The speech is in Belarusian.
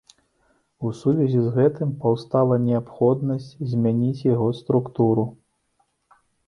У сувязі з гэтым паўстала неабходнасць змяніць яго структуру.